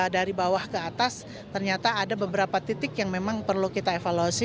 dari bawah ke atas ternyata ada beberapa titik yang memang perlu kita evaluasi